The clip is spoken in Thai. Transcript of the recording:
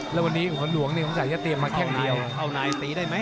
แล้ววันนี้ขุมทรัพย์หลวงต้องเตรียมมาแค่งเดียว